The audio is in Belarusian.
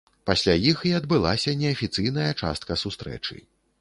Пасля іх і адбылася неафіцыйная частка сустрэчы.